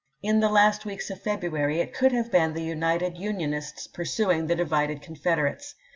In the last weeks of February it could have been the united Unionists pursuing the di vided Confederates.